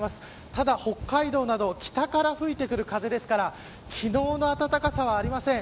ただ、北海道など北から吹いてくる風ですから昨日の暖かさはありません。